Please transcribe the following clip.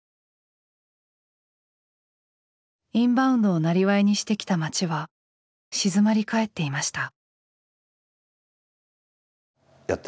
インバウンドをなりわいにしてきた街は静まり返っていました。